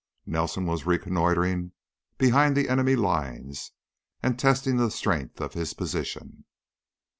Nelson was reconnoitering behind the enemy's lines and testing the strength of his position.